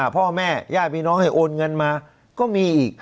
พ่อแม่ญาติพี่น้องให้โอนเงินมาก็มีอีก